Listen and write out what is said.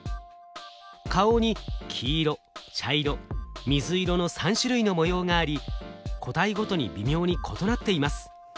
顔に黄色茶色水色の３種類の模様があり個体ごとに微妙に異なっています。